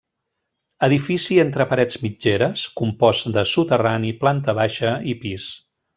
Edifici entre parets mitgeres, compost de soterrani, planta baixa i pis.